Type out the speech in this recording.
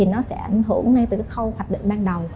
nó sẽ ảnh hưởng ngay từ cái khâu hoạch định ban đầu